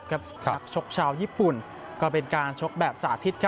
นักชกชาวญี่ปุ่นก็เป็นการชกแบบสาธิต